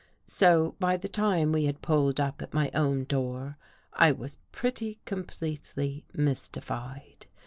So by the time we had pulled up at my own door, I was pretty completely mystified.